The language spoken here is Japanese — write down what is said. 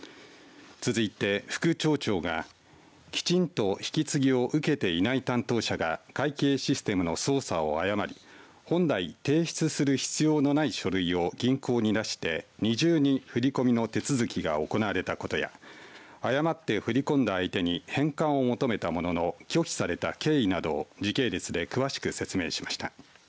続いて、副町長がきちんと引き継ぎを受けていない担当者が会計システムの操作を誤り本来提出する必要のない書類を銀行に出して二重に振り込みの手続きが行われたことや誤って振り込んだ相手に返還を求めたものの拒否された経緯などを時系列で詳しく説明しました。